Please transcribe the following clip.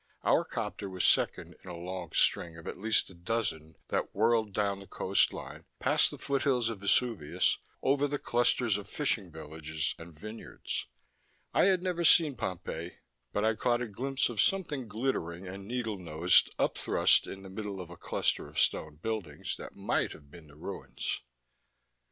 Our copter was second in a long string of at least a dozen that whirled down the coastline, past the foothills of Vesuvius, over the clusters of fishing villages and vineyards. I had never seen Pompeii, but I caught a glimpse of something glittering and needle nosed, up thrust in the middle of a cluster of stone buildings that might have been the ruins.